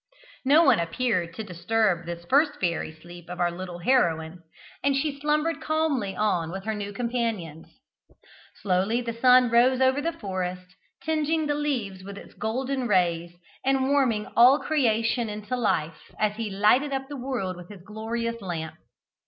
No one appeared to disturb this first fairy sleep of our little heroine, and she slumbered calmly on with her new companions. Slowly the sun rose over the forest, tinging the leaves with his golden rays, and warming all creation into life as he lighted up the world with his glorious lamp.